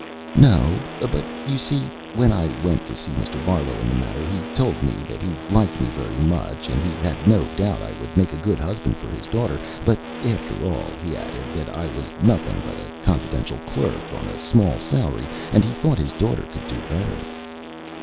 "No; but, you see, when I went to see Mr. Barlow in the matter, he told me that he liked me very much, and he had no doubt I would make a good husband for his daughter, but, after all, he added that I was nothing but a confidential clerk on a small salary, and he thought his daughter could do better."